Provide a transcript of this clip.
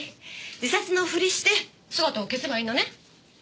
自殺のふりして姿を消せばいいのね？